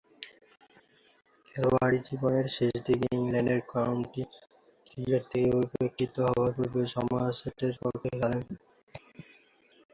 খেলোয়াড়ী জীবনের শেষদিকে ইংল্যান্ডের কাউন্টি ক্রিকেট থেকে উপেক্ষিত হবার পূর্বে সমারসেটের পক্ষে খেলেন।